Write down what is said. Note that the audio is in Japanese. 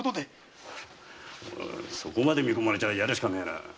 そこまで見込まれちゃあやるしかねえな。